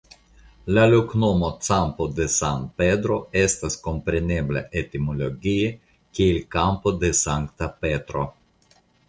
La loknomo "Campo de San Pedro" estas komprenebla etimologie kiel Kampo de Sankta Petro.